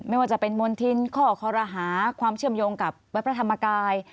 ไม่ว่าจะเป็นมณฑินข้อคอรหาความเชื่อมโยงกับวัดพระธรรมกาย